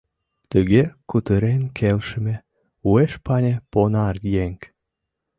— Тыге кутырен келшыме, — уэш мане понаръеҥ.